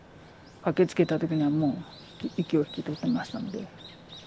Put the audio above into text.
駆けつけた時にはもう息を引き取ってましたので。